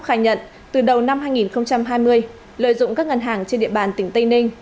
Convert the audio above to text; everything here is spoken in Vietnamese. thơ và phúc khai nhận từ đầu năm hai nghìn hai mươi lợi dụng các ngân hàng trên địa bàn tỉnh tây ninh